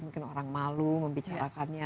mungkin orang malu membicarakannya